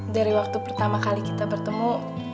dari waktu pertama kali kita bertemu